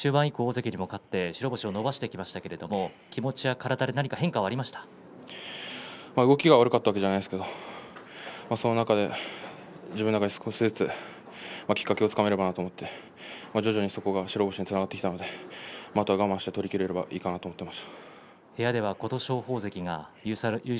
白星を伸ばしてきましたけれども体、気持ちに動きが悪かったわけじゃないんですが、その中で少しずつ自分で、きっかけがつかめればなと思って徐々にそこが白星につながってきたのでまた我慢して取りきれればいいかなと思います。